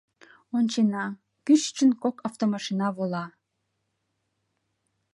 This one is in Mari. Ончена, кӱшычын кок автомашина вола.